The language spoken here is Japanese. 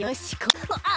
あ。